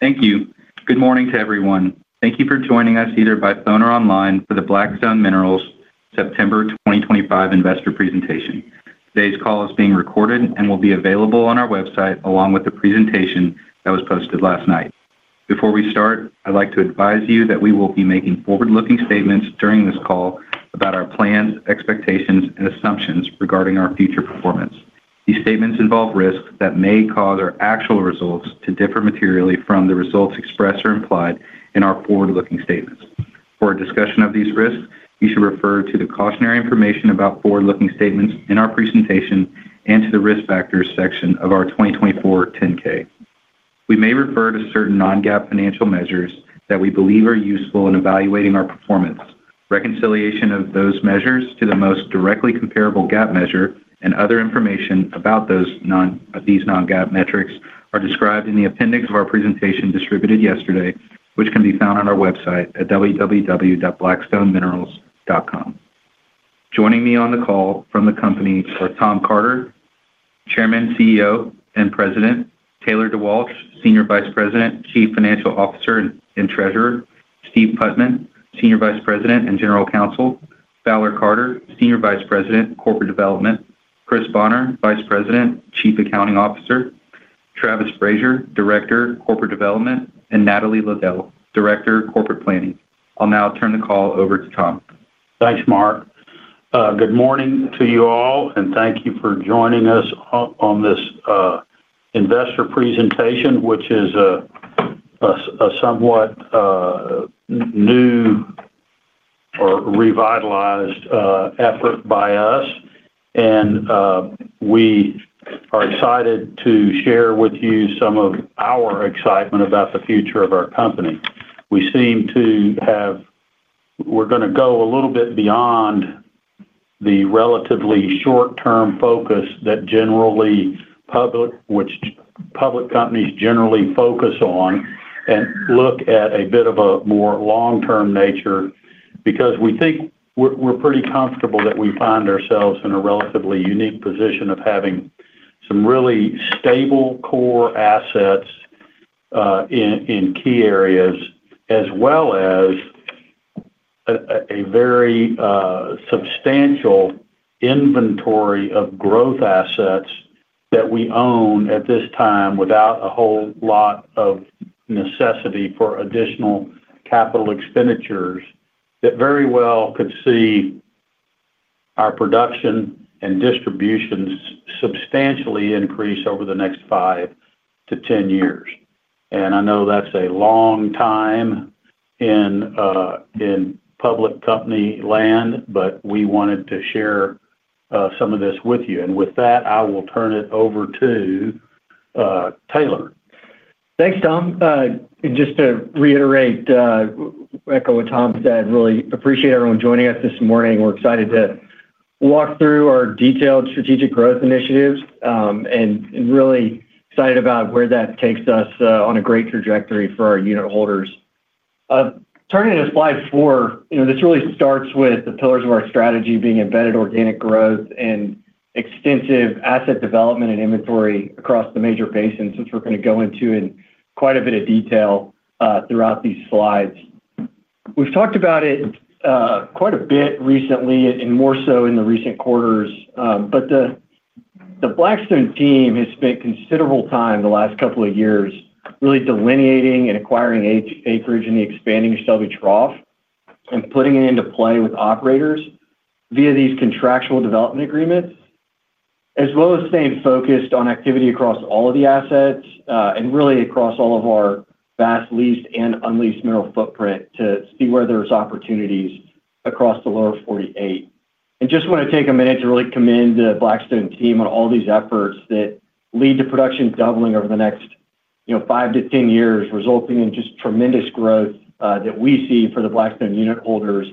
Thank you. Good morning to everyone. Thank you for joining us either by phone or online for the Black Stone Minerals September 2025 Investor Presentation. Today's call is being recorded and will be available on our website, along with the presentation that was posted last night. Before we start, I'd like to advise you that we will be making forward-looking statements during this call about our plans, expectations, and assumptions regarding our future performance. These statements involve risks that may cause our actual results to differ materially from the results expressed or implied in our forward-looking statements. For a discussion of these risks, you should refer to the cautionary information about forward-looking statements in our presentation and to the risk factors section of our 2024 10-K. We may refer to certain non-GAAP financial measures that we believe are useful in evaluating our performance. Reconciliation of those measures to the most directly comparable GAAP measure and other information about these non-GAAP metrics are described in the appendix of our presentation distributed yesterday, which can be found on our website at www.blackstoneminerals.com. Joining me on the call from the company are Tom Carter, Chairman, CEO, and President; Taylor DeWalch, Senior Vice President, Chief Financial Officer and Treasurer; Steve Putman, Senior Vice President and General Counsel; Fowler Carter, Senior Vice President, Corporate Development; Chris Bonner, Vice President, Chief Accounting Officer; Travis Frazier, Director, Corporate Development; and Natalie Liddell, Director, Corporate Planning. I'll now turn the call over to Tom. Thanks, Mark. Good morning to you all, and thank you for joining us on this investor presentation, which is a somewhat new or revitalized effort by us. We are excited to share with you some of our excitement about the future of our company. We are going to go a little bit beyond the relatively short-term focus that public companies generally focus on and look at a bit of a more long-term nature because we think we're pretty comfortable that we find ourselves in a relatively unique position of having some really stable core assets in key areas, as well as a very substantial inventory of growth assets that we own at this time without a whole lot of necessity for additional capital expenditures that very well could see our production and distributions substantially increase over the next 5 to 10 years. I know that's a long time in public company land, but we wanted to share some of this with you. With that, I will turn it over to Taylor. Thanks, Tom. Just to reiterate, echo what Tom said, really appreciate everyone joining us this morning. We're excited to walk through our detailed strategic growth initiatives and really excited about where that takes us on a great trajectory for our unit holders. Turning to slide four, this really starts with the pillars of our strategy being embedded organic growth and extensive asset development and inventory across the major basins, which we're going to go into in quite a bit of detail throughout these slides. We've talked about it quite a bit recently and more so in the recent quarters, but the Black Stone team has spent considerable time the last couple of years really delineating and acquiring acreage in the expanding Shelby Trough and putting it into play with operators via these contractual development agreements, as well as staying focused on activity across all of the assets and really across all of our vast leased and unleased mineral footprint to see where there's opportunities across the Lower 48. I just want to take a minute to really commend the Black Stone team on all these efforts that lead to production doubling over the next 5 to 10 years, resulting in just tremendous growth that we see for the Black Stone unit holders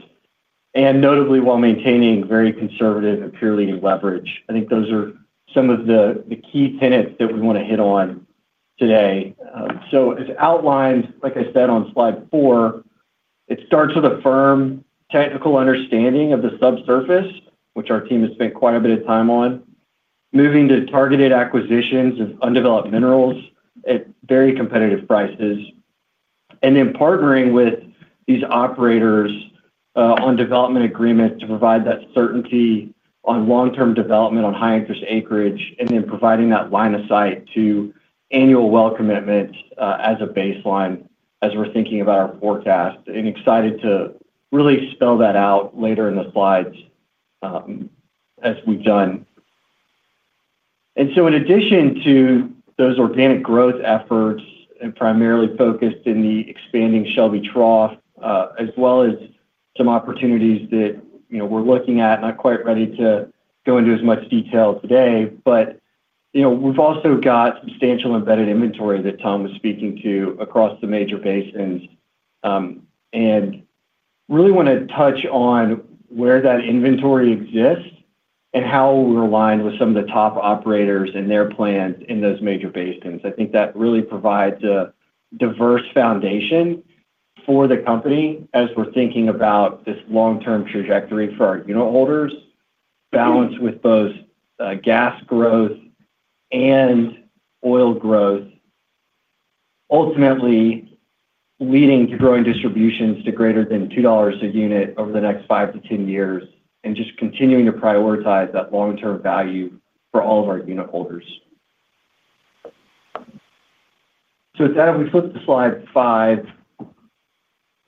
and notably while maintaining very conservative and peer-leading leverage. I think those are some of the key tenets that we want to hit on today. As outlined, like I said on slide four, it starts with a firm technical understanding of the subsurface, which our team has spent quite a bit of time on, moving to targeted acquisitions of undeveloped minerals at very competitive prices, and then partnering with these operators on development agreements to provide that certainty on long-term development on high-interest acreage and then providing that line of sight to annual well commitments as a baseline as we're thinking about our forecast and excited to really spell that out later in the slides as we've done. In addition to those organic growth efforts and primarily focused in the expanding Shelby Trough, as well as some opportunities that we're looking at, not quite ready to go into as much detail today, we've also got substantial embedded inventory that Tom was speaking to across the major basins and really want to touch on where that inventory exists and how we align with some of the top operators and their plans in those major basins. I think that really provides a diverse foundation for the company as we're thinking about this long-term trajectory for our unit holders, balanced with both gas growth and oil growth, ultimately leading to growing distributions to greater than $2 a unit over the next 5 to 10 years and just continuing to prioritize that long-term value for all of our unit holders. As we flip to slide five,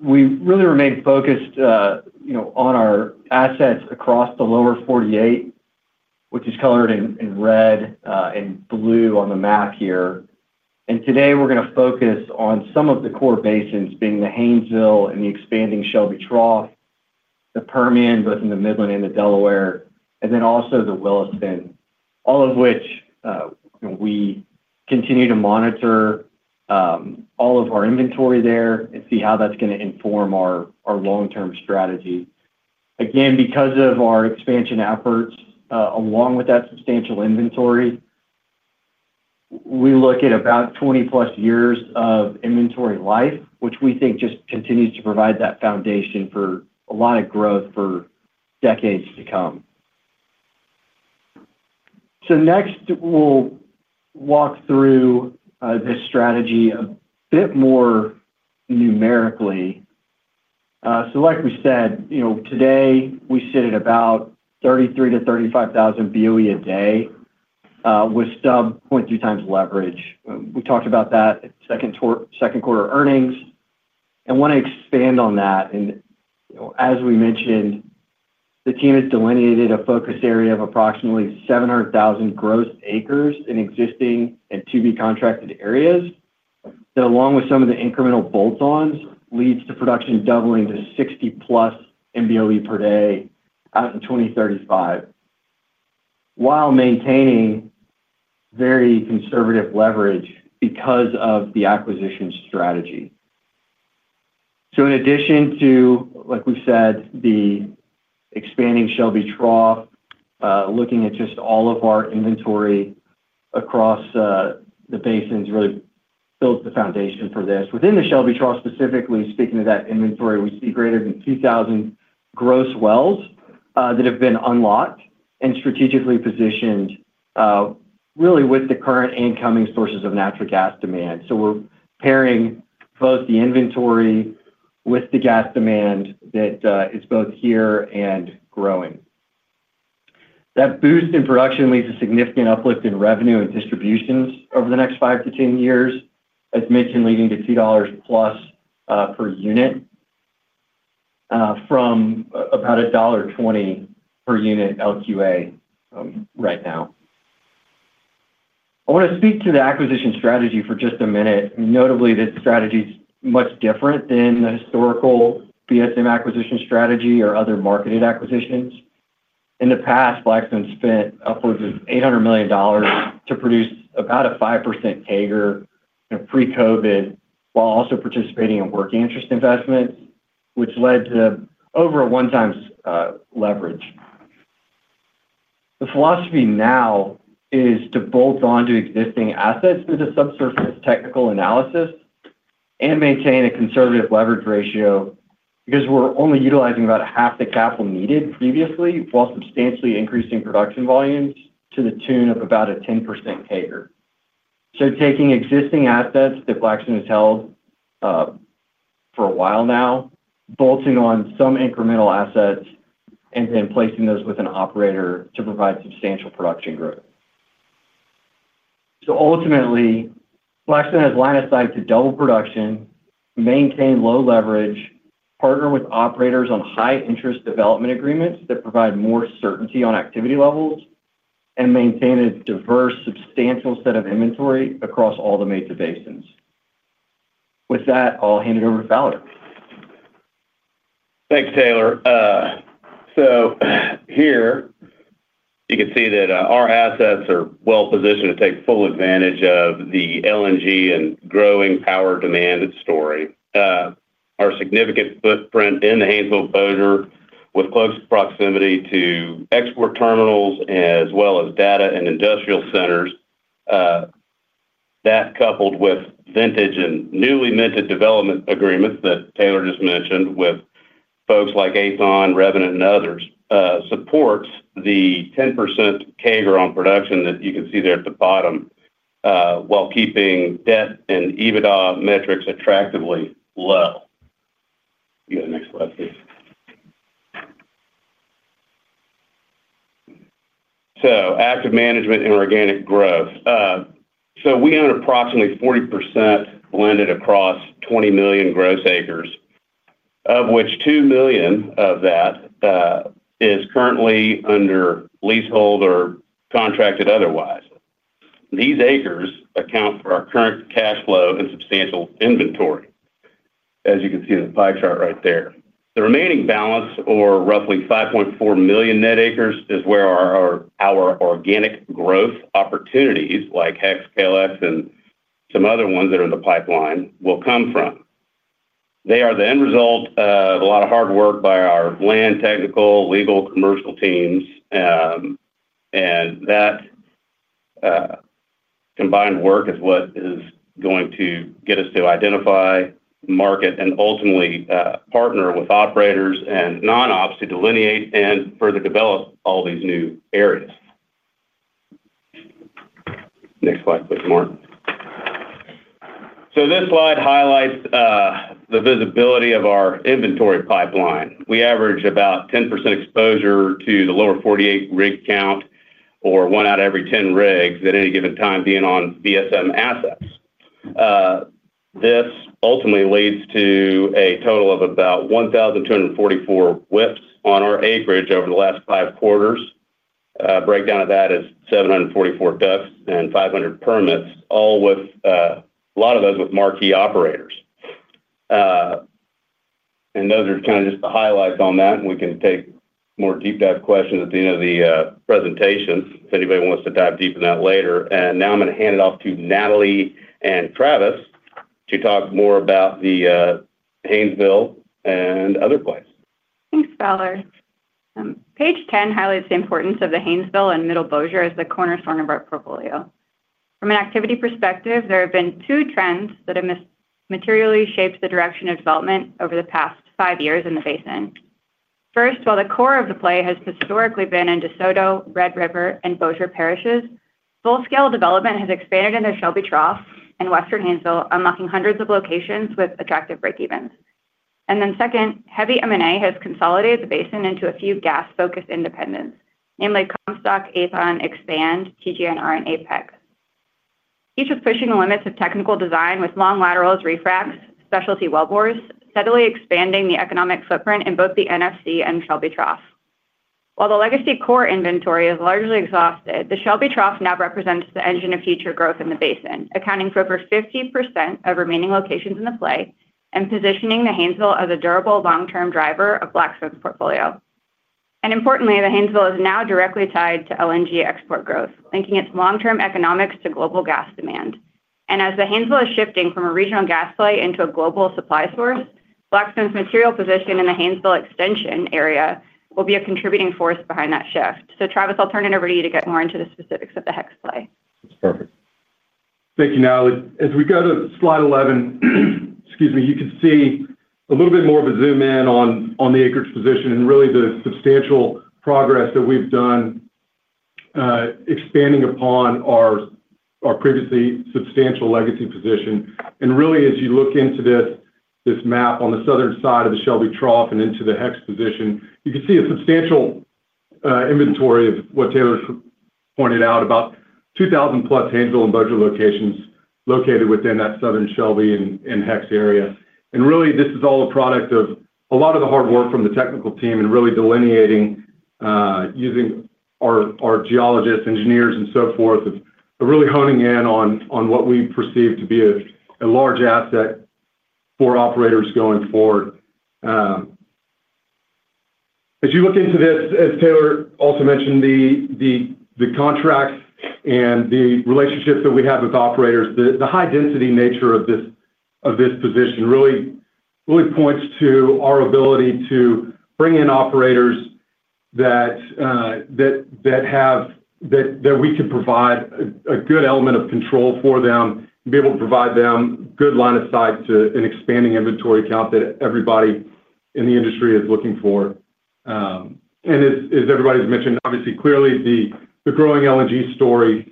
we really remain focused on our assets across the Lower 48, which is colored in red and blue on the map here. Today we're going to focus on some of the core basins, being the Haynesville and the expanding Shelby Trough, the Permian, both in the Midland and the Delaware, and then also the Williston, all of which we continue to monitor all of our inventory there and see how that's going to inform our long-term strategy. Again, because of our expansion efforts along with that substantial inventory, we look at about 20+ years of inventory life, which we think just continues to provide that foundation for a lot of growth for decades to come. Next, we'll walk through this strategy a bit more numerically. Like we said, you know today we sit at about 33,000-35,000 BOE/d with some 0.2x leverage. We talked about that in second quarter earnings. I want to expand on that. As we mentioned, the team has delineated a focus area of approximately 700,000 gross acres in existing and to be contracted areas that, along with some of the incremental bolt-ons, leads to production doubling to 60+ MBOE per day out in 2035 while maintaining very conservative leverage because of the acquisition strategy. In addition to, like we said, the expanding Shelby Trough, looking at just all of our inventory across the basins really built the foundation for this. Within the Shelby Trough specifically, speaking of that inventory, we see greater than 2,000 gross wells that have been unlocked and strategically positioned really with the current incoming sources of natural gas demand. We're pairing both the inventory with the gas demand that is both here and growing. That boost in production leads to significant uplift in revenue and distributions over the next 5 to 10 years, as mentioned, leading to $2+ per unit from about $1.20 per unit LQA right now. I want to speak to the acquisition strategy for just a minute. Notably that strategy is much different than the historical BSM acquisition strategy or other marketed acquisitions. In the past, Black Stone spent upwards of $800 million to produce about a 5% CAGR pre-COVID while also participating in working interest investments, which led to over a one-time leverage. The philosophy now is to bolt onto existing assets with a subsurface technical analysis and maintain a conservative leverage ratio because we're only utilizing about half the capital needed previously while substantially increasing production volumes to the tune of about a 10% CAGR. Taking existing assets that Black Stone has held for a while now, bolting on some incremental assets, and then placing those with an operator to provide substantial production growth. Ultimately, Black Stone has line of sight to double production, maintain low leverage, partner with operators on high-interest development agreements that provide more certainty on activity levels, and maintain a diverse, substantial set of inventory across all the major basins. With that, I'll hand it over to Fowler. Thanks, Taylor. Here you can see that our assets are well-positioned to take full advantage of the LNG and growing power demand at story, our significant footprint in the Haynesville, with close proximity to export terminals as well as data and industrial centers. That, coupled with vintage and newly minted development agreements that Taylor just mentioned with folks like Aethon, Revenant, and others, supports the 10% CAGR on production that you can see there at the bottom while keeping debt and EBITDA metrics attractively low. You can go to the next slide, please. Active management and organic growth. We own approximately 40% blended across 20 million gross acres, of which 2 million of that is currently under leasehold or contracted otherwise. These acres account for our current cash flow and substantial inventory, as you can see in the pie chart right there. The remaining balance, or roughly 5.4 million net acres, is where our organic growth opportunities like HEX, KLX, and some other ones that are in the pipeline will come from. They are the end result of a lot of hard work by our land, technical, legal, and commercial teams. That combined work is what is going to get us to identify, market, and ultimately partner with operators and non-ops to delineate and further develop all these new areas. Next slide, please, [Mark]. This slide highlights the visibility of our inventory pipeline. We average about 10% exposure to the Lower 48 rig count, or one out of every 10 rigs at any given time being on BSM assets. This ultimately leads to a total of about 1,244 WIPs on our acreage over the last five quarters. A breakdown of that is 744 DUCs and 500 permits, all with a lot of those with marquee operators. Those are kind of just the highlights on that. We can take more deep-dive questions at the end of the presentation if anybody wants to dive deep in that later. Now I'm going to hand it off to Natalie and Travis to talk more about the Haynesville and other plays. Thanks, Fowler. Page 10 highlights the importance of the Haynesville and Middle Bossier as the cornerstone of our portfolio. From an activity perspective, there have been two trends that have materially shaped the direction of development over the past five years in the basin. First, while the core of the play has historically been in DeSoto, Red River, and Bossier parishes, full-scale development has expanded into Shelby Trough and Western Haynesville, unlocking hundreds of locations with attractive break-evens. Second, heavy M&A has consolidated the basin into a few gas-focused independents, namely Comstock, Aethon, Expand, PG&R, and Apex. Each is pushing the limits of technical design with long laterals, refracs, specialty wellbores, steadily expanding the economic footprint in both the NFC and Shelby Trough. While the legacy core inventory is largely exhausted, the Shelby Trough now represents the engine of future growth in the basin, accounting for over 50% of remaining locations in the play and positioning the Haynesville as a durable long-term driver of Black Stone's portfolio. Importantly, the Haynesville is now directly tied to LNG export growth, linking its long-term economics to global gas demand. As the Haynesville is shifting from a regional gas play into a global supply source, Black Stone's material position in the Haynesville extension area will be a contributing force behind that shift. Travis, I'll turn it over to you to get more into the specifics of the HEX play. That's perfect. Thank you, Natalie. As we go to slide 11, you can see a little bit more of a zoom in on the acreage position and really the substantial progress that we've done expanding upon our previously substantial legacy position. As you look into this map on the southern side of the Shelby Trough and into the HEX position, you can see a substantial inventory of what Taylor's pointed out, about 2,000+ Haynesville and Bossier locations located within that southern Shelby and HEX area. This is all a product of a lot of the hard work from the technical team and really delineating, using our geologists, engineers, and so forth, really honing in on what we perceive to be a large asset for operators going forward. As you look into this, as Taylor also mentioned, the contracts and the relationships that we have with operators, the high-density nature of this position really points to our ability to bring in operators that we could provide a good element of control for them and be able to provide them good line of sight to an expanding inventory count that everybody in the industry is looking for. Obviously, clearly the growing LNG story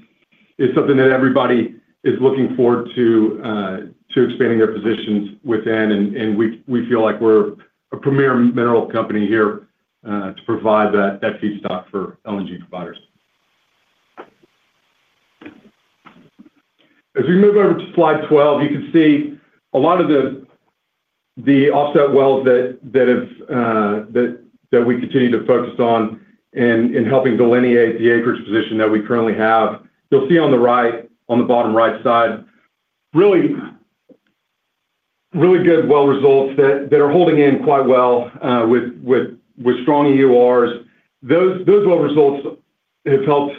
is something that everybody is looking forward to expanding their positions within. We feel like we're a premier mineral company here to provide that feedstock for LNG providers. As we move over to slide 12, you can see a lot of the offset wells that we continue to focus on in helping delineate the acreage position that we currently have. You'll see on the bottom right side, really good well results that are holding in quite well with strong EORs. Those well results have helped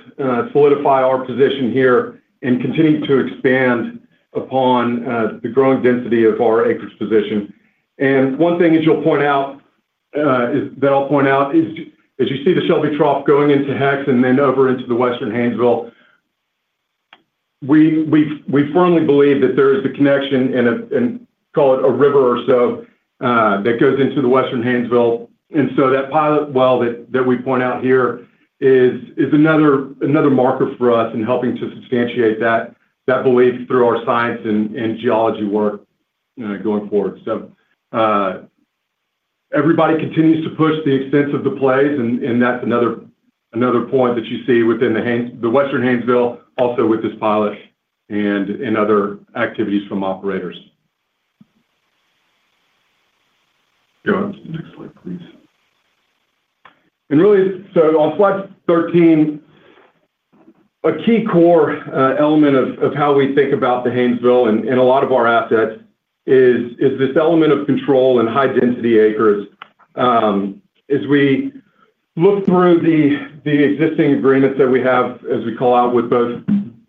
solidify our position here and continue to expand upon the growing density of our acreage position. One thing that I'll point out is, as you see the Shelby Trough going into HEX and then over into the Western Haynesville, we firmly believe that there is the connection, and call it a river or so, that goes into the Western Haynesville. That pilot well that we point out here is another marker for us in helping to substantiate that belief through our science and geology work going forward. Everybody continues to push the extents of the plays, and that's another point that you see within the Western Haynesville, also with this pilot and other activities from operators. Next slide, please. On slide 13, a key core element of how we think about the Haynesville and a lot of our assets is this element of control and high-density acreage. As we look through the existing agreements that we have, as we call out with both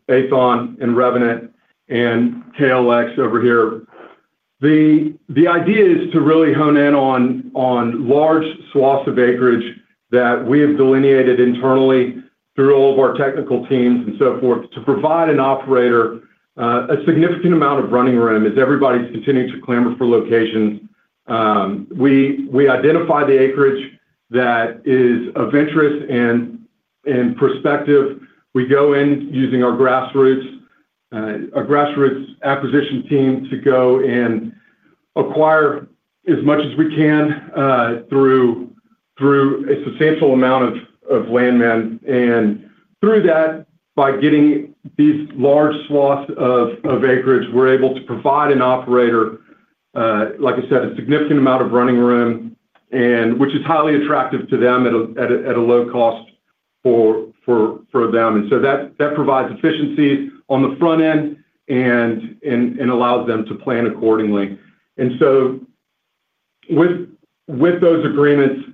Aethon and Revenant and KLX over here, the idea is to really hone in on large swaths of acreage that we have delineated internally through all of our technical teams and so forth to provide an operator a significant amount of running room as everybody's continuing to clamor for locations. We identify the acreage that is of interest and prospective. We go in using our grassroots acquisition team to go and acquire as much as we can through a substantial amount of landmen. Through that, by getting these large swaths of acreage, we're able to provide an operator, like I said, a significant amount of running room, which is highly attractive to them at a low cost for them. That provides efficiency on the front end and allows them to plan accordingly. With those agreements,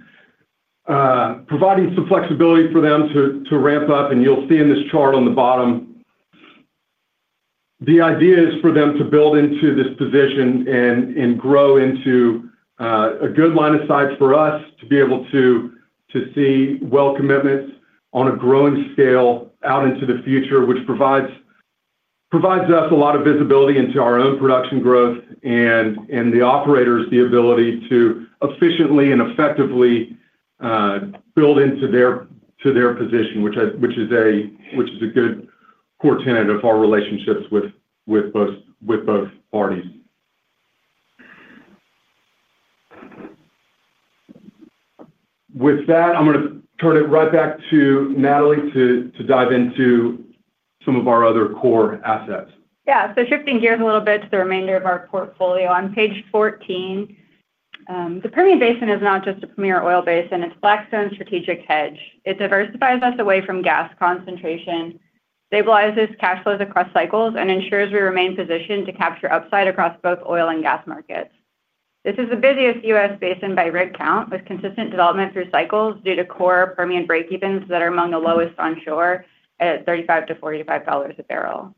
providing some flexibility for them to ramp up, and you'll see in this chart on the bottom, the idea is for them to build into this position and grow into a good line of sight for us to be able to see well commitments on a growing scale out into the future, which provides us a lot of visibility into our own production growth and the operator's ability to efficiently and effectively build into their position, which is a good core tenet of our relationships with both parties. With that, I'm going to turn it right back to Natalie to dive into some of our other core assets. Yeah. Shifting gears a little bit to the remainder of our portfolio. On page 14, the Permian Basin is not just a premier oil basin. It's Black Stone's strategic hedge. It diversifies us away from gas concentration, stabilizes cash flows across cycles, and ensures we remain positioned to capture upside across both oil and gas markets. This is the busiest U.S. basin by rig count, with consistent development through cycles due to core Permian breakevens that are among the lowest onshore at $35-$45 a barrel.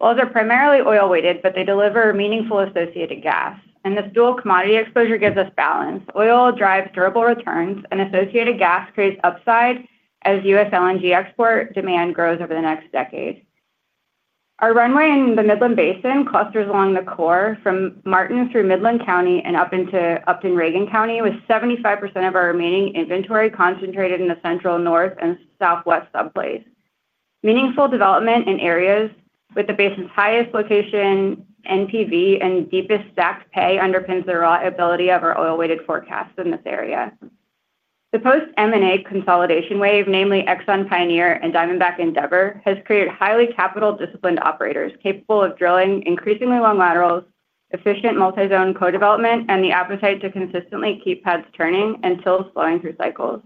Wells are primarily oil-weighted, but they deliver meaningful associated gas. This dual commodity exposure gives us balance. Oil drives durable returns, and associated gas creates upside as U.S. LNG export demand grows over the next decade. Our runway in the Midland Basin clusters along the core from Martin through Midland County and up into Reagan County, with 75% of our remaining inventory concentrated in the central, north, and southwest subways. Meaningful development in areas with the basin's highest location NPV and deepest stacked pay underpins the reliability of our oil-weighted forecasts in this area. The post-M&A consolidation wave, namely Exxon Pioneer and Diamondback Endeavor, has created highly capital-disciplined operators capable of drilling increasingly long laterals, efficient multi-zone co-development, and the appetite to consistently keep heads turning and tills flowing through cycles.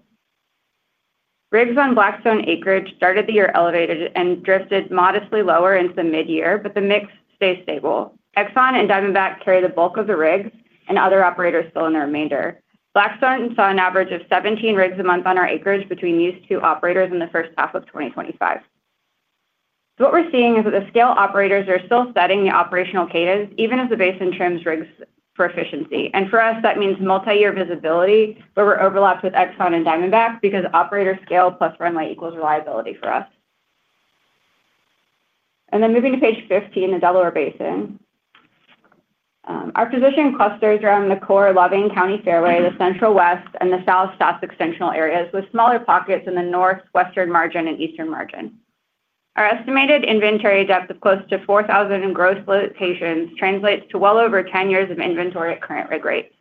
Rigs on Black Stone acreage started the year elevated and drifted modestly lower into the mid-year, but the mix stays stable. Exxon and Diamondback carry the bulk of the rigs, and other operators fill in the remainder. Black Stone saw an average of 17 rigs a month on our acreage between these two operators in the first half of 2025. What we're seeing is that the scale operators are still setting the operational cadence even as the basin trims rigs for efficiency. For us, that means multi-year visibility where we're overlapped with Exxon and Diamondback because operator scale plus runway equals reliability for us. Moving to page 15, the Delaware Basin, our position clusters around the core Loving County fairway, the central west, and the south south extensional areas with smaller pockets in the northwestern margin and eastern margin. Our estimated inventory depth of close to 4,000 in gross locations translates to well over 10 years of inventory at current rig rates.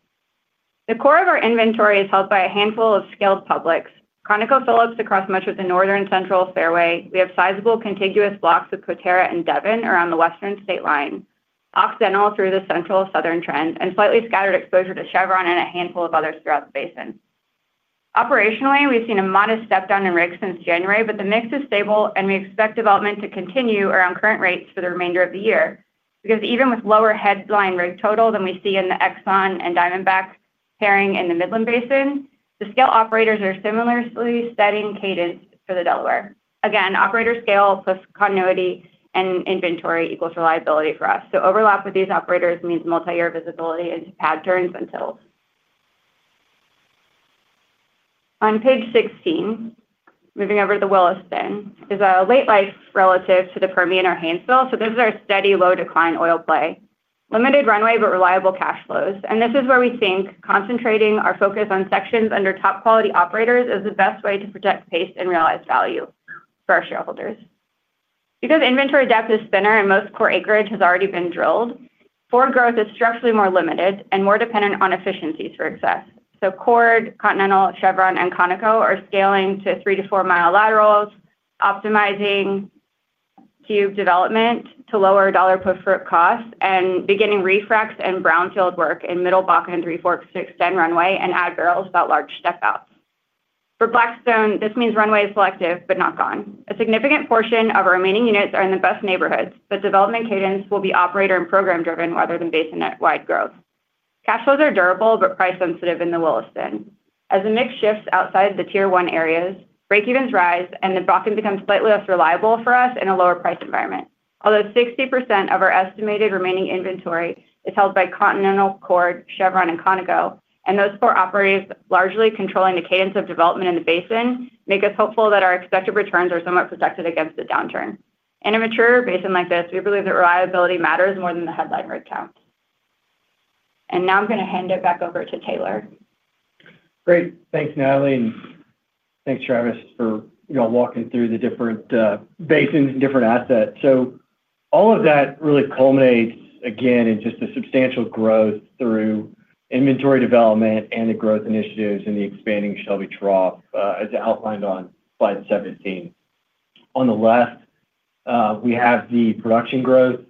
The core of our inventory is held by a handful of scaled publics: ConocoPhillips across much of the northern central fairway. We have sizable contiguous blocks of Coterra and Devon around the western state line, Occidental through the central southern trend, and slightly scattered exposure to Chevron and a handful of others throughout the basin. Operationally, we've seen a modest stepdown in rigs since January, but the mix is stable and we expect development to continue around current rates for the remainder of the year because even with lower headline rig total than we see in the Exxon and Diamondback pairing in the Midland Basin, the scale operators are similarly setting cadence for the Delaware. Operator scale plus continuity and inventory equals reliability for us. Overlap with these operators means multi-year visibility into pad turns and tills. On page 16, moving over to the Williston is a late life relative to the Permian or Haynesville. This is our steady low decline oil play. Limited runway, but reliable cash flows. This is where we think concentrating our focus on sections under top quality operators is the best way to project pace and realize value for our shareholders. Inventory depth is thinner and most core acreage has already been drilled, forward growth is structurally more limited and more dependent on efficiencies for excess. Cord, Continental, Chevron, and Conoco are scaling to three to four mile laterals, optimizing cube development to lower dollar per foot cost, and beginning refracs and brownfield work in Middle Bakken and Three Forks to extend runway and add barrels without large step outs. For Black Stone, this means runway is selective, but not gone. A significant portion of our remaining units are in the best neighborhoods, but development cadence will be operator and program driven rather than basin-wide growth. Cash flows are durable, but price sensitive in the Williston. As the mix shifts outside the tier one areas, breakevens rise and the blocking becomes slightly less reliable for us in a lower price environment. Although 60% of our estimated remaining inventory is held by Continental, Cord, Chevron, and Conoco, and those four operators largely controlling the cadence of development in the basin make us hopeful that our expected returns are somewhat protected against the downturn. In a mature basin like this, we believe that reliability matters more than the headline rig count. Now I'm going to hand it back over to Taylor. Great. Thanks, Natalie, and thanks, Travis, for y'all walking through the different basins and different assets. All of that really culminates again in just the substantial growth through inventory development and the growth initiatives in the expanding Shelby Trough as outlined on slide 17. On the left, we have the production growth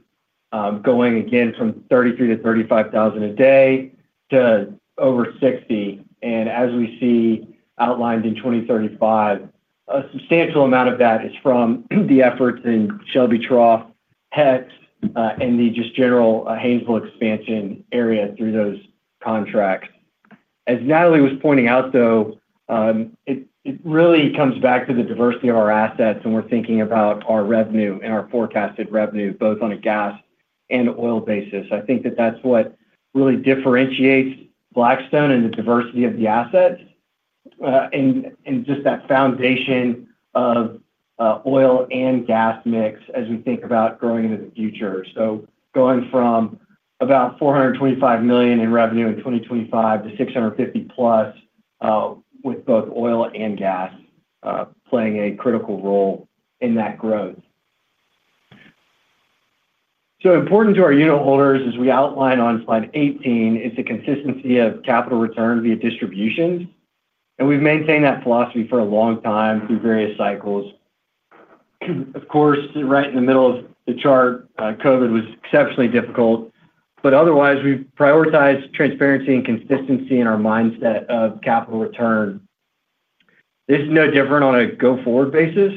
going again from 33,000-35,000 a day to over 60,000. As we see outlined in 2035, a substantial amount of that is from the efforts in Shelby Trough, HEX, and the general Haynesville expansion area through those contracts. As Natalie was pointing out, it really comes back to the diversity of our assets when we're thinking about our revenue and our forecasted revenue, both on a gas and oil basis. I think that that's what really differentiates Black Stone and the diversity of the assets in just that foundation of oil and gas mix as we think about growing into the future. Going from about $425 million in revenue in 2025 to $650+ million with both oil and gas playing a critical role in that growth. Important to our unitholders, as we outlined on slide 18, is the consistency of capital return via distributions. We've maintained that philosophy for a long time through various cycles. Right in the middle of the chart, COVID was exceptionally difficult, but otherwise, we've prioritized transparency and consistency in our mindset of capital return. This is no different on a go-forward basis,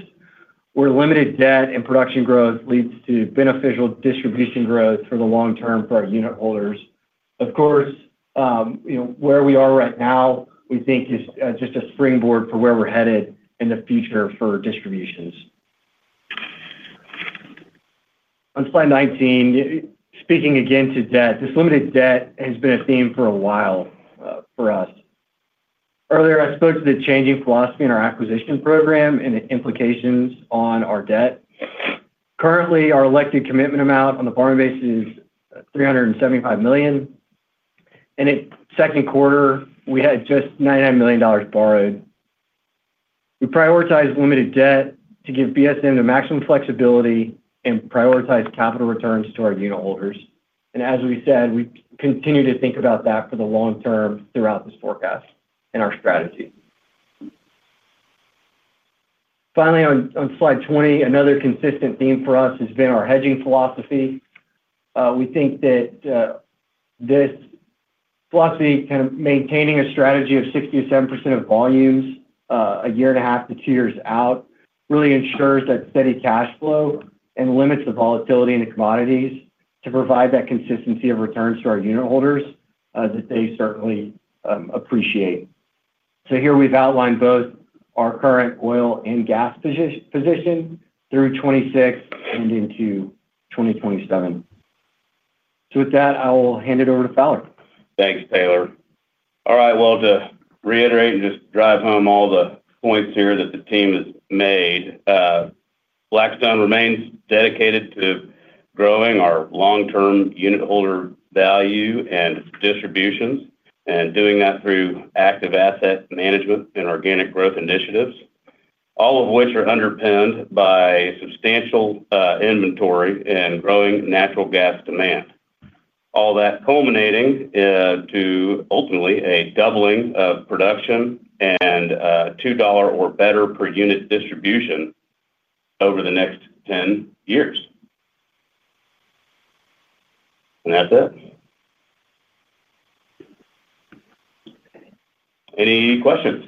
where limited debt and production growth leads to beneficial distribution growth for the long term for our unitholders. Where we are right now, we think is just a springboard for where we're headed in the future for distributions. On slide 19, speaking again to debt, this limited debt has been a theme for a while for us. Earlier, I spoke to the changing philosophy in our acquisition program and the implications on our debt. Currently, our elected commitment amount on the borrowing base is $375 million. In the second quarter, we had just $99 million borrowed. We prioritize limited debt to give BSM the maximum flexibility and prioritize capital returns to our unitholders. As we said, we continue to think about that for the long term throughout this forecast and our strategy. Finally, on slide 20, another consistent theme for us has been our hedging philosophy. We think that this philosophy, kind of maintaining a strategy of 60%-70% of volumes a year and a half to two years out, really ensures that steady cash flow and limits the volatility in the commodities to provide that consistency of returns to our unitholders that they certainly appreciate. Here we've outlined both our current oil and gas position through 2026 and into 2027. With that, I'll hand it over to Fowler. Thanks, Taylor. All right. To reiterate and just drive home all the points here that the team has made, Black Stone remains dedicated to growing our long-term unitholder value and distributions and doing that through active asset management and organic growth initiatives, all of which are underpinned by substantial inventory and growing natural gas demand. All that culminating to ultimately a doubling of production and a $2 or better per unit distribution over the next 10 years. That's it. Any questions?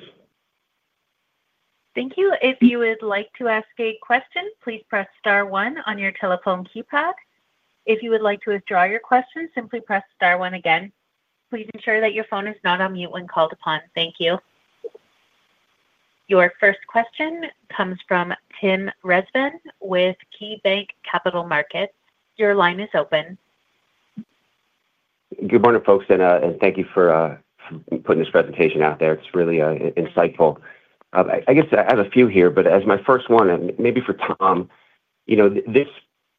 Thank you. If you would like to ask a question, please press star one on your telephone keypad. If you would like to withdraw your question, simply press star one again. Please ensure that your phone is not on mute when called upon. Thank you. Your first question comes from Tim Rezvan with KeyBanc Capital Markets. Your line is open. Good morning, folks, and thank you for putting this presentation out there. It's really insightful. I guess I have a few here, but as my first one, maybe for Tom, you know this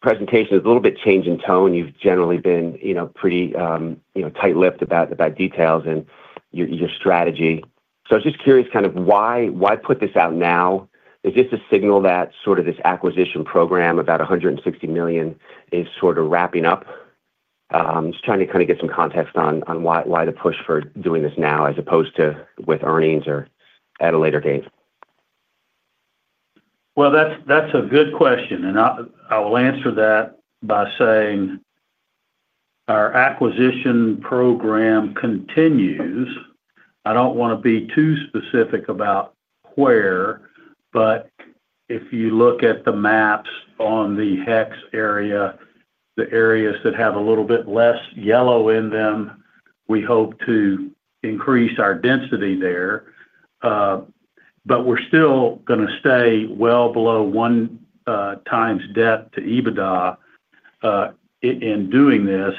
presentation is a little bit changing tone. You've generally been pretty tight-lipped about details and your strategy. I was just curious, kind of why put this out now? Is this a signal that sort of this acquisition program, about $160 million, is sort of wrapping up? Just trying to kind of get some context on why the push for doing this now as opposed to with earnings or at a later date? That's a good question. I will answer that by saying our acquisition program continues. I don't want to be too specific about where, but if you look at the maps on the HEX area, the areas that have a little bit less yellow in them, we hope to increase our density there. We're still going to stay well below one times debt to EBITDA in doing this.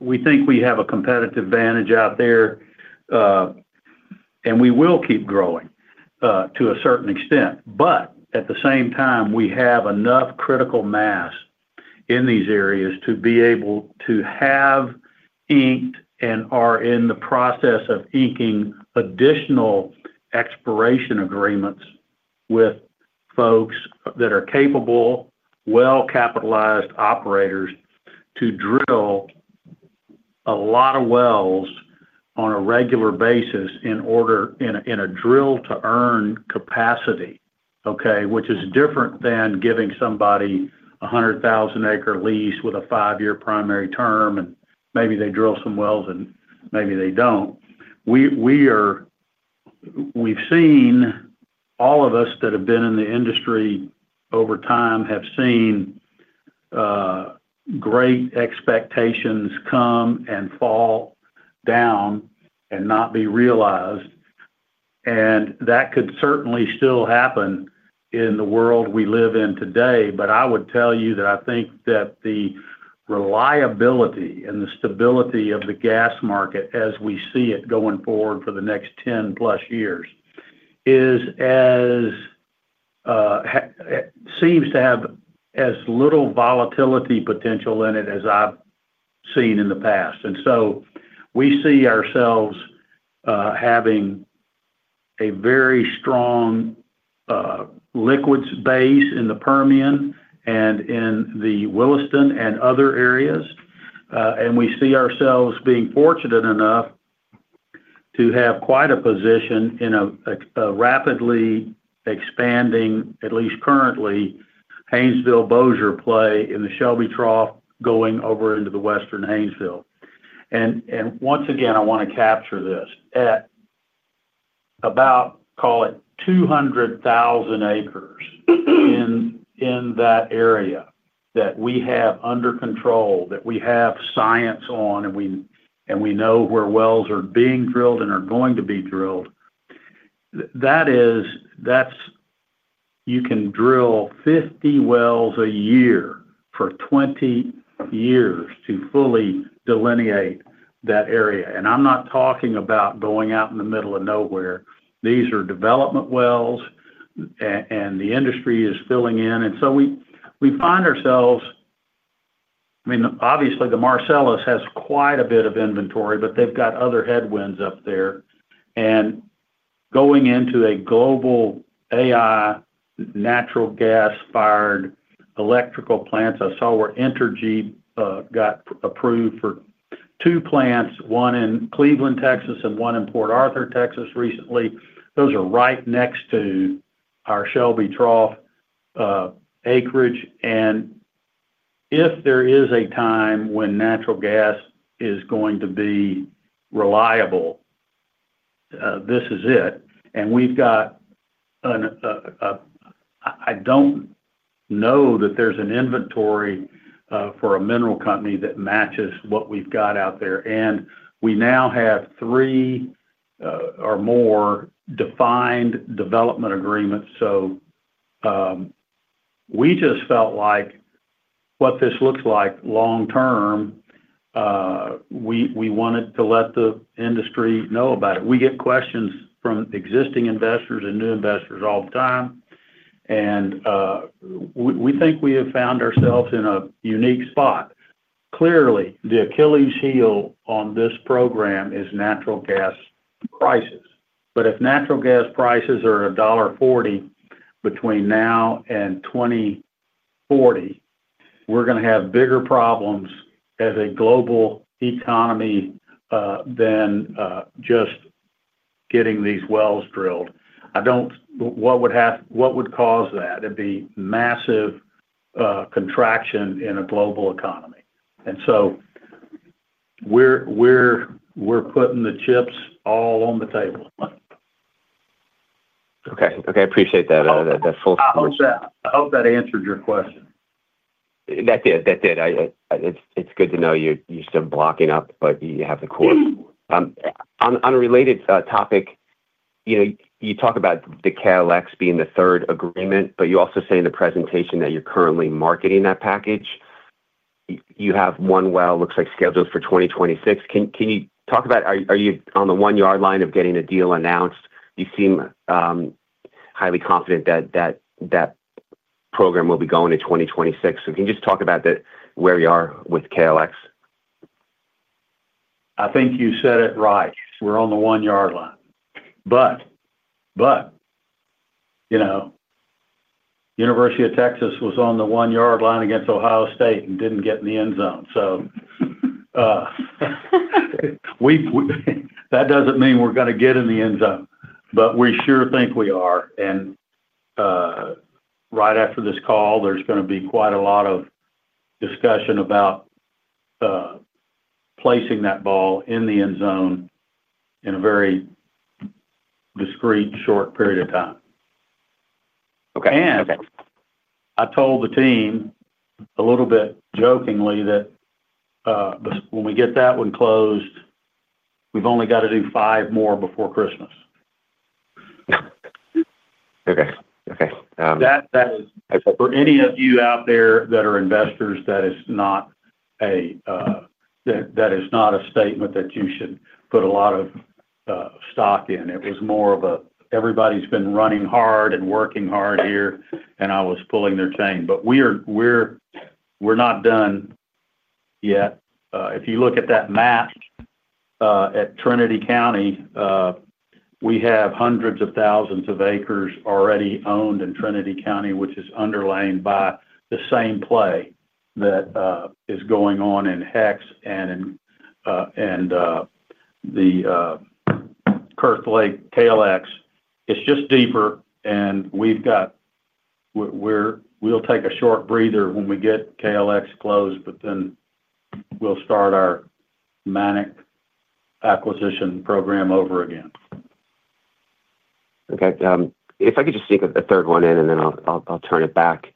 We think we have a competitive advantage out there, and we will keep growing to a certain extent. At the same time, we have enough critical mass in these areas to be able to have inked and are in the process of inking additional exploration agreements with folks that are capable, well-capitalized operators to drill a lot of wells on a regular basis in a drill-to-earn capacity, which is different than giving somebody a 100,000-acre lease with a five-year primary term, and maybe they drill some wells and maybe they don't. All of us that have been in the industry over time have seen great expectations come and fall down and not be realized. That could certainly still happen in the world we live in today. I would tell you that I think that the reliability and the stability of the gas market as we see it going forward for the next 10+ years seems to have as little volatility potential in it as I've seen in the past. We see ourselves having a very strong liquids base in the Permian and in the Williston and other areas. We see ourselves being fortunate enough to have quite a position in a rapidly expanding, at least currently, Haynesville-Bossier play in the Shelby Trough going over into the Western Haynesville. Once again, I want to capture this. At about, call it, 200,000 acres in that area that we have under control, that we have science on, and we know where wells are being drilled and are going to be drilled, you can drill 50 wells a year for 20 years to fully delineate that area. I'm not talking about going out in the middle of nowhere. These are development wells, and the industry is filling in. We find ourselves, I mean, obviously, the Marcellus has quite a bit of inventory, but they've got other headwinds up there. Going into a global AI natural gas-fired electrical plants, I saw where Entergy got approved for two plants, one in Cleveland, Texas, and one in Port Arthur, Texas, recently. Those are right next to our Shelby Trough acreage. If there is a time when natural gas is going to be reliable, this is it. We have an inventory for a mineral company that matches what we've got out there. We now have three or more defined development agreements. We just felt like what this looks like long term, we wanted to let the industry know about it. We get questions from existing investors and new investors all the time. We think we have found ourselves in a unique spot. Clearly, the Achilles heel on this program is natural gas prices. If natural gas prices are $1.40 between now and 2040, we're going to have bigger problems as a global economy than just getting these wells drilled. I don't know what would cause that. It would be massive contraction in a global economy. We're putting the chips all on the table. Okay. I appreciate that. That full. I hope that answered your question. It's good to know you're still blocking up, but you have the cause. On a related topic, you talk about the Cadillacs being the third agreement, but you also say in the presentation that you're currently marketing that package. You have one well, it looks like, scheduled for 2026. Can you talk about, are you on the one-yard line of getting a deal announced? You seem highly confident that that program will be going to 2026. Can you just talk about where you are with KLX? I think you said it right. We're on the one-yard line. The University of Texas was on the one-yard line against Ohio State and didn't get in the end zone. That doesn't mean we're going to get in the end zone, but we sure think we are. Right after this call, there's going to be quite a lot of discussion about placing that ball in the end zone in a very discreet, short period of time. I told the team a little bit jokingly that when we get that one closed, we've only got to do five more before Christmas. That was for any of you out there that are investors, that is not a statement that you should put a lot of stock in. It was more of a, everybody's been running hard and working hard here, and I was pulling their chain. We're not done yet. If you look at that map at Trinity County, we have hundreds of thousands of acres already owned in Trinity County, which is underlain by the same play that is going on in HEX and in the Kurth Lake KLX. It's just deeper. We'll take a short breather when we get KLX closed, but then we'll start our Manic acquisition program over again. Okay. If I could just sneak a third one in, and then I'll turn it back.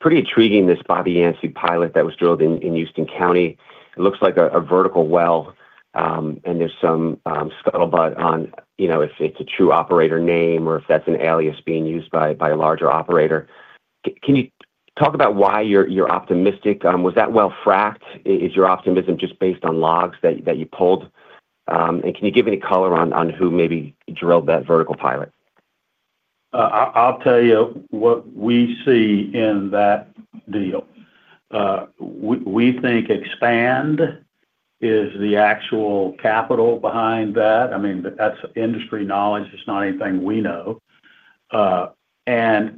Pretty intriguing, this Bobby Yancey pilot that was drilled in Houston County. It looks like a vertical well, and there's some scuttlebutt on, you know, if it's a true operator name or if that's an alias being used by a larger operator. Can you talk about why you're optimistic? Was that well fracked? Is your optimism just based on logs that you pulled? Can you give any color on who maybe drilled that vertical pilot? I'll tell you what we see in that deal. We think Expand is the actual capital behind that. I mean, that's industry knowledge. It's not anything we know.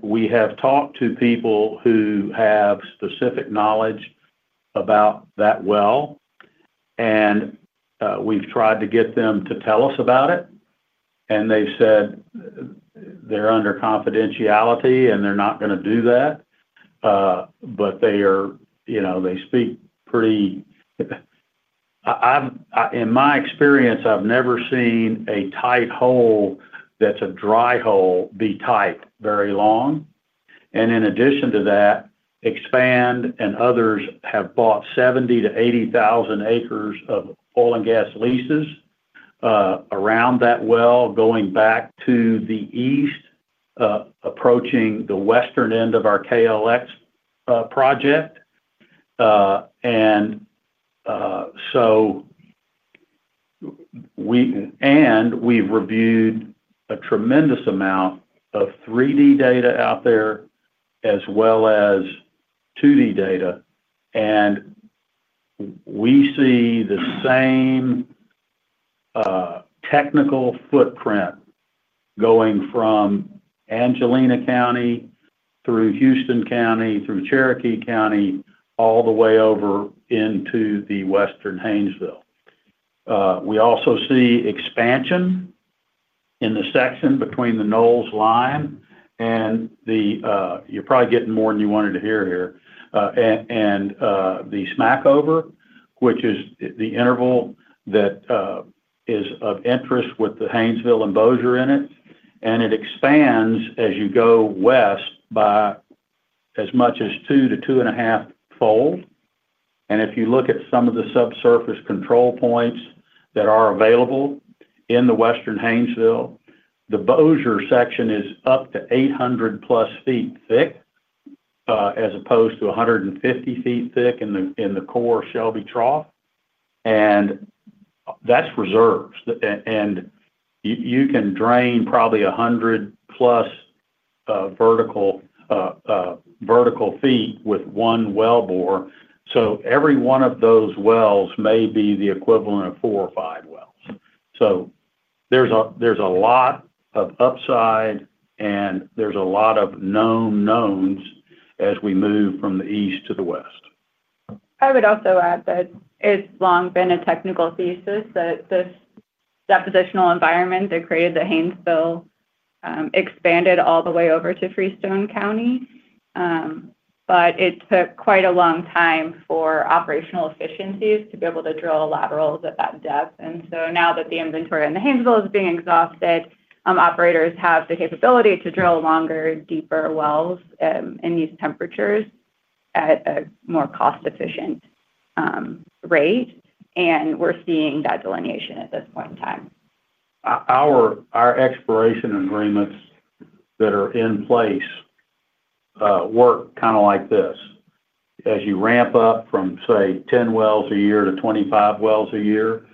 We have talked to people who have specific knowledge about that well, and we've tried to get them to tell us about it. They've said they're under confidentiality and they're not going to do that. They speak pretty, in my experience, I've never seen a tight hole that's a dry hole be tight very long. In addition to that, Expand and others have bought 70,000-80,000 acres of oil and gas leases around that well, going back to the east, approaching the western end of our KLX project. We've reviewed a tremendous amount of 3D data out there as well as 2D data. We see the same technical footprint going from Angelina County through Houston County, through Cherokee County, all the way over into the western Haynesville. We also see expansion in the section between the [Knowles] line and the, you're probably getting more than you wanted to hear here, and the Smackover, which is the interval that is of interest with the Haynesville and Bossier in it. It expands as you go west by as much as two to two and a half fold. If you look at some of the subsurface control points that are available in the western Haynesville, the Bossier section is up to 800+ ft thick as opposed to 150 ft thick in the core Shelby Trough. That's reserved, and you can drain probably 100+ vertical feet with one well bore. Every one of those wells may be the equivalent of four or five wells. There's a lot of upside and there's a lot of known knowns as we move from the east to the west. I would also add that it's long been a technical thesis that this depositional environment that created the Haynesville expanded all the way over to Freestone County. It took quite a long time for operational efficiencies to be able to drill laterals at that depth. Now that the inventory in the Haynesville is being exhausted, operators have the capability to drill longer, deeper wells in these temperatures at a more cost-efficient rate. We're seeing that delineation at this point in time. Our expiration agreements that are in place work kind of like this. As you ramp up from, say, 10 wells a year to 25 wells a year,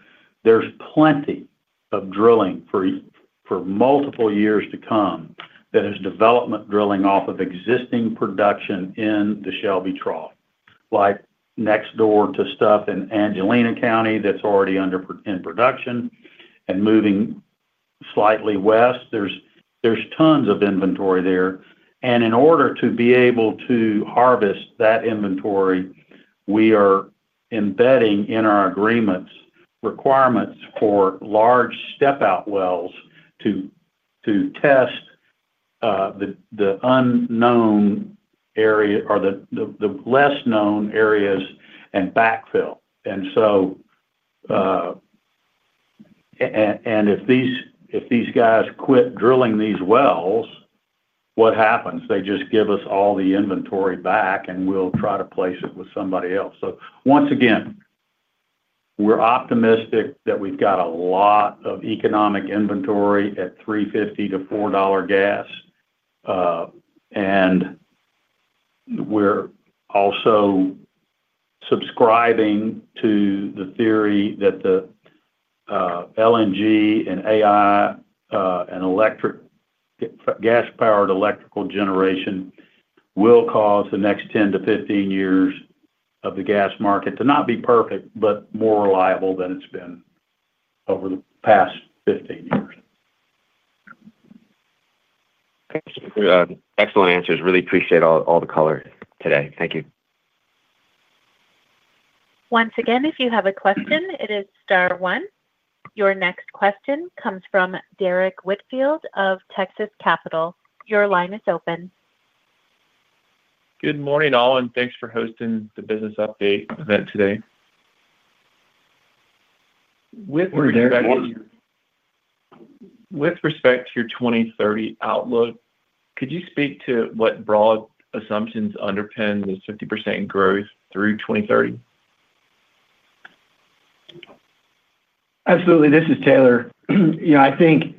there's plenty of drilling for multiple years to come that is development drilling off of existing production in the Shelby Trough. Like next door to stuff in Angelina County that's already in production and moving slightly west, there's tons of inventory there. In order to be able to harvest that inventory, we are embedding in our agreements requirements for large step-out wells to test the unknown area or the less known areas and backfill. If these guys quit drilling these wells, what happens? They just give us all the inventory back and we'll try to place it with somebody else. Once again, we're optimistic that we've got a lot of economic inventory at $3.50-$4 gas. We're also subscribing to the theory that the LNG and AI and gas-powered electrical generation will cause the next 10 to 15 years of the gas market to not be perfect, but more reliable than it's been over the past 15 years. Thank you. Excellent answers. Really appreciate all the color today. Thank you. Once again, if you have a question, it is star one. Your next question comes from Derrick Whitfield of Texas Capital. Your line is open. Good morning, all, and thanks for hosting the Business Update event today. With respect to your 2030 outlook, could you speak to what broad assumptions underpin this 50% growth through 2030? Absolutely. This is Taylor. I think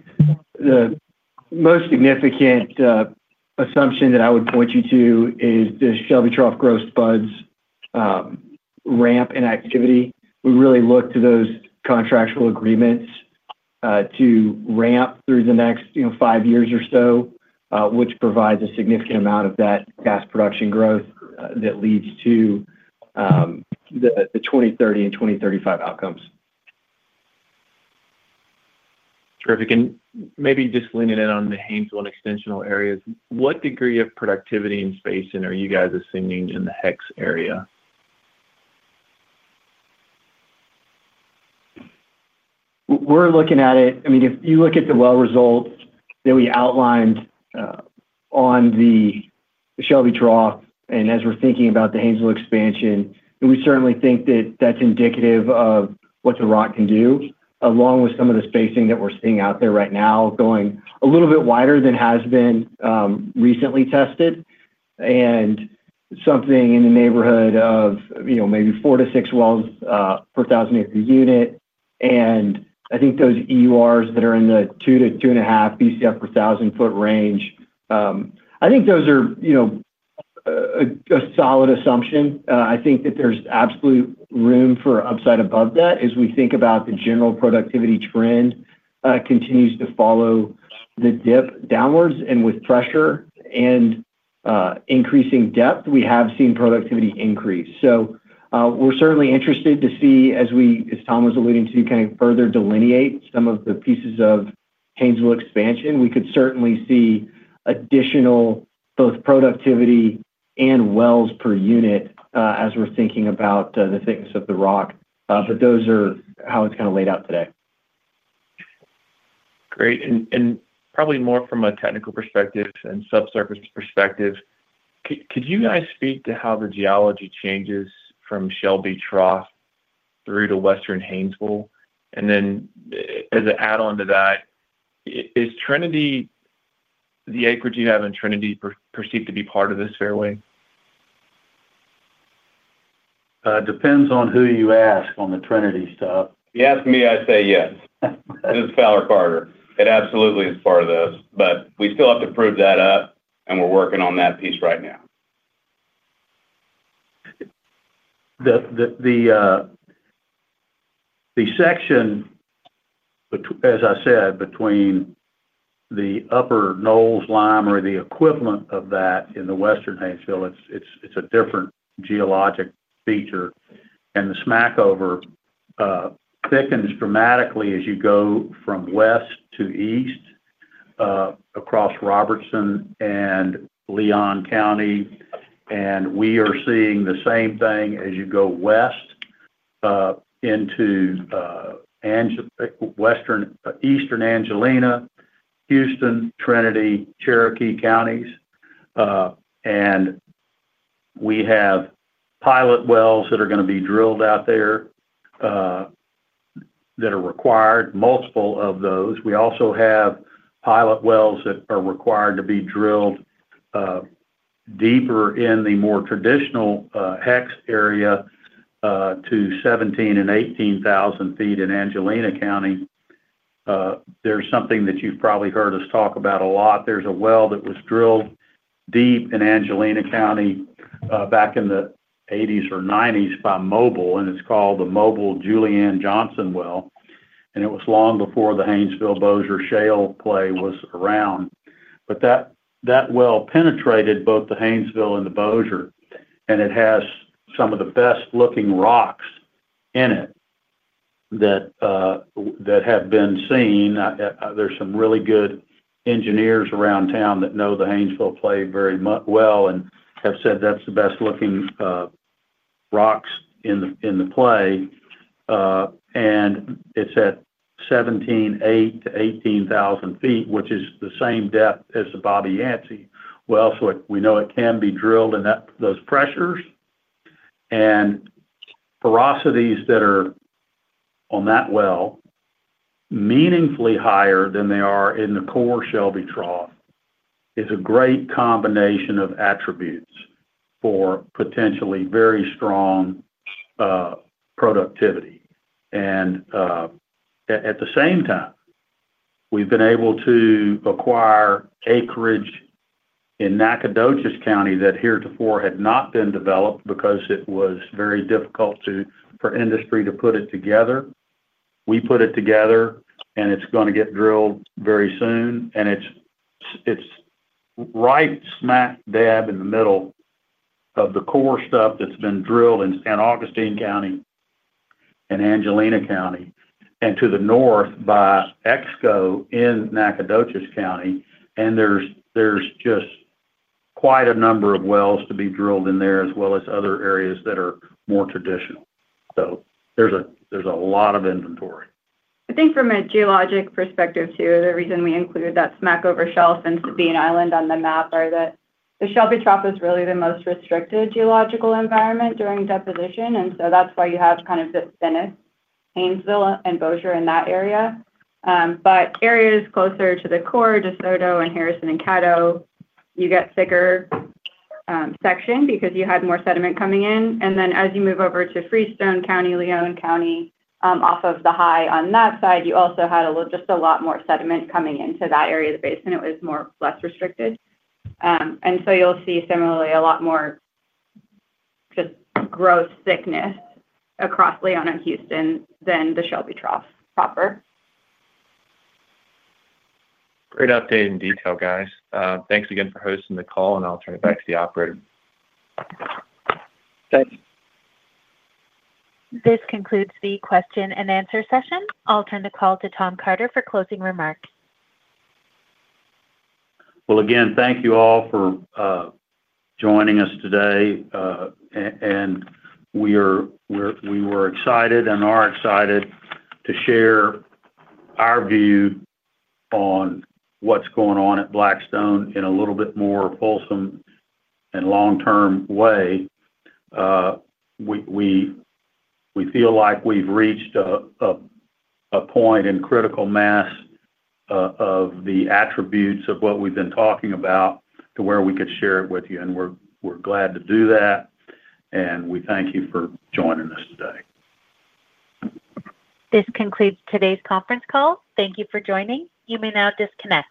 the most significant assumption that I would point you to is the Shelby Trough growth spuds ramp in activity. We really look to those contractual agreements to ramp through the next five years or so, which provides a significant amount of that gas production growth that leads to the 2030 and 2035 outcomes. Terrific. Maybe just leaning in on the Haynesville extensional areas, what degree of productivity and spacing are you guys assuming in the HEX area? We're looking at it. I mean, if you look at the well results that we outlined on the Shelby Trough, and as we're thinking about the Haynesville expansion, we certainly think that that's indicative of what the rock can do, along with some of the spacing that we're seeing out there right now going a little bit wider than has been recently tested. Something in the neighborhood of, you know, maybe four to six wells per thousand acre unit. I think those EURs that are in the two to two and a half BCF per thousand foot range, I think those are, you know, a solid assumption. I think that there's absolute room for upside above that as we think about the general productivity trend continues to follow the dip downwards. With pressure and increasing depth, we have seen productivity increase. We're certainly interested to see, as Tom was alluding to, kind of further delineate some of the pieces of Haynesville expansion. We could certainly see additional both productivity and wells per unit as we're thinking about the thickness of the rock. Those are how it's kind of laid out today. Great. Probably more from a technical perspective and subsurface perspective, could you guys speak to how the geology changes from Shelby Trough through to western Haynesville? As an add-on to that, is Trinity, the acreage you have in Trinity, perceived to be part of this fairway? Depends on who you ask on the Trinity stuff. You ask me, I say yes. This is Fowler Carter. It absolutely is part of this, but we still have to prove that up, and we're working on that piece right now. The section, as I said, between the upper [Knowles] line or the equivalent of that in the western Haynesville, it's a different geologic feature. The Smackover thickens dramatically as you go from west to east across Robertson and Leon County. We are seeing the same thing as you go west into eastern Angelina, Houston, Trinity, and Cherokee counties. We have pilot wells that are going to be drilled out there that are required, multiple of those. We also have pilot wells that are required to be drilled deeper in the more traditional HEX area to 17,000 ft and 18,000 ft in Angelina County. There's something that you've probably heard us talk about a lot. There's a well that was drilled deep in Angelina County back in the 1980s or 1990s by [Mobil], and it's called the [Mobil]-Julian-Johnson Well. It was long before the Haynesville-Bossier shale play was around. That well penetrated both the Haynesville and the Bossier, and it has some of the best-looking rocks in it that have been seen. There are some really good engineers around town that know the Haynesville play very well and have said that's the best-looking rocks in the play. It's at 17,800 ft-18,000 ft, which is the same depth as the Bobby Yancey well, so we know it can be drilled in those pressures. Porosities that are on that well are meaningfully higher than they are in the core Shelby Trough, which is a great combination of attributes for potentially very strong productivity. At the same time, we've been able to acquire acreage in Nacogdoches County that heretofore had not been developed because it was very difficult for industry to put it together. We put it together, and it's going to get drilled very soon. It's right smack dab in the middle of the core stuff that's been drilled in Augustine County and Angelina County and to the north by EXCO in Nacogdoches County. There's just quite a number of wells to be drilled in there, as well as other areas that are more traditional. There's a lot of inventory. I think from a geologic perspective too, the reason we include that Smackover shelf and Sabine Island on the map are that the Shelby Trough is really the most restricted geological environment during deposition. That's why you have kind of the thinnest Haynesville and Bossier in that area. Areas closer to the core, DeSoto, and Harrison and Caddo, you get thicker section because you had more sediment coming in. As you move over to Freestone County, Leon County, off of the high on that side, you also had just a lot more sediment coming into that area of the basin. It was more less restricted. You'll see similarly a lot more just gross thickness across Leon and Houston than the Shelby Trough proper. Great update and detail, guys. Thanks again for hosting the call, and I'll turn it back to the operator. Thanks. This concludes the question and answer session. I'll turn the call to Tom Carter for closing remark. Thank you all for joining us today. We were excited and are excited to share our view on what's going on at Black Stone in a little bit more wholesome and long-term way. We feel like we've reached a point in critical mass of the attributes of what we've been talking about to where we could share it with you. We're glad to do that, and we thank you for joining us today. This concludes today's conference call. Thank you for joining. You may now disconnect.